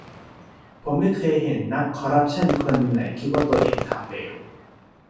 ผมไม่เคยเห็นนักคอร์รัปชันคนไหนคิดว่าตัวเองทำเลว